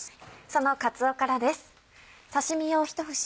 そのかつおからです。